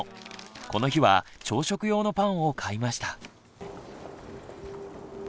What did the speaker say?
この日は朝食用のパンを買いました。